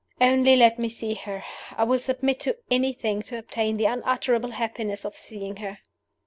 "Only let me see her! I will submit to anything to obtain the unutterable happiness of seeing her!"